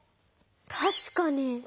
たしかに。